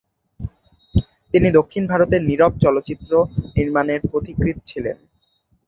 তিনি দক্ষিণ ভারতের নীরব চলচ্চিত্র নির্মাণের পথিকৃৎ ছিলেন।